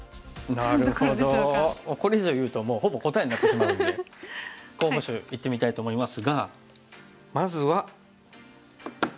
これ以上言うとほぼ答えになってしまうんで候補手いってみたいと思いますがまずはＡ。